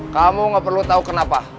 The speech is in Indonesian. kamu gak perlu tahu kenapa